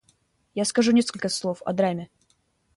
Я скажу несколько слов о драме.